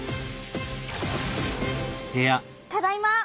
ただいま！